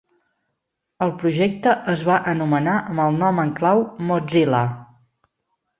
El projecte es va anomenar amb el nom en clau Mozilla.